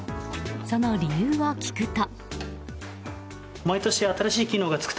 その理由を聞くと。